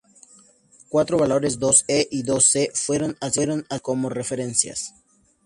Cuatro valores, dos E y dos C fueron asignados como referencias.